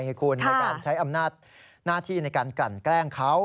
คุณในการใช้อำนาจหน้าที่ในการกลั่นแกล้งเขา